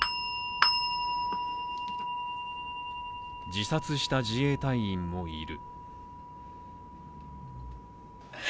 自殺した自衛隊員もいる。